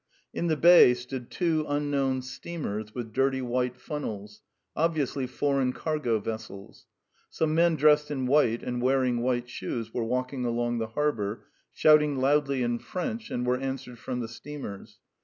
In the bay stood two unknown steamers with dirty white funnels, obviously foreign cargo vessels. Some men dressed in white and wearing white shoes were walking along the harbour, shouting loudly in French, and were answered from the steamers.